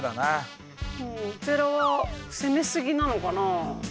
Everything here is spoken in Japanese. お寺は攻めすぎなのかな？